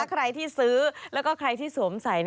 ใครที่ซื้อแล้วก็ใครที่สวมใส่